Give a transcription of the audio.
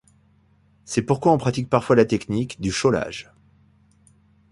C'est pourquoi on pratique parfois la technique du chaulage.